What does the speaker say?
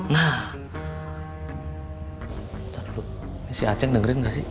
nih si acek dengerin gak sih